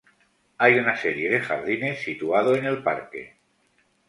Hay una serie de jardines situado en el parque.